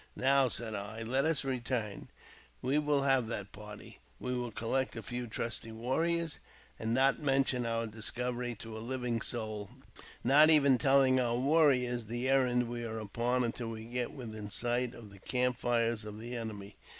^BI "Now," said I, "let us return; we will have that par^^* We will collect a few trusty warriors, and not mention our discovery to a living soul, not even telUng our warriors the errand we are upon until we get within sight of the camp fires of the enemy.